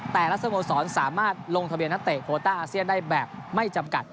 สโมสรสามารถลงทะเบียนนักเตะโคต้าอาเซียนได้แบบไม่จำกัด